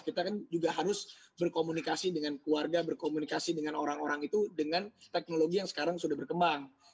kita kan juga harus berkomunikasi dengan keluarga berkomunikasi dengan orang orang itu dengan teknologi yang sekarang sudah berkembang